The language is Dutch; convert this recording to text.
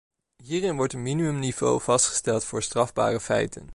Hierin wordt een minimum niveau vastgesteld voor strafbare feiten.